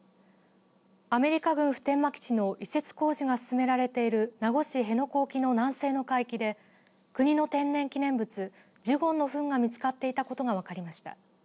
アメリカ軍普天間基地の移設工事が進められている名護市辺野古沖の南西の海域で国の天然記念物ジュゴンのふんが見つかっていたことが分かりました。